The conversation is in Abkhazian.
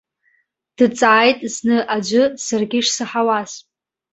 Дҵааит зны аӡәы саргьы ишсаҳауаз.